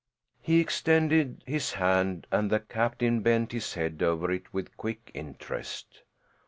He extended his hand and the captain bent his head over it with quick interest.